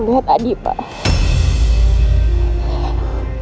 aku lihat adik pak